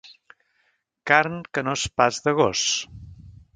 Carn que no és pas de gos.